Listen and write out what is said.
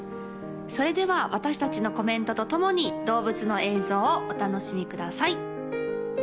それでは私達のコメントとともに動物の映像をお楽しみください